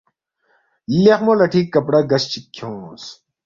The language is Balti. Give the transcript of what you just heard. لیخمو لَٹھی کپڑا گز چِک کھیونگس